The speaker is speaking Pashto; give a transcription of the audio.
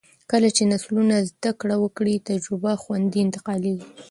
کله چې نسلونه زده کړه وکړي، تجربه خوندي انتقالېږي.